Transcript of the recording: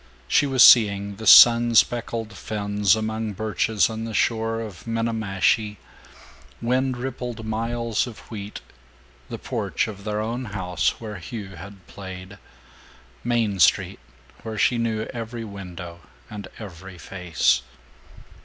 She was seeing the sun speckled ferns among birches on the shore of Minniemashie, wind rippled miles of wheat, the porch of their own house where Hugh had played, Main Street where she knew every window and every face.